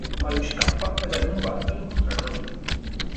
Ma lui scappa e va in un bar per incontrare un amico.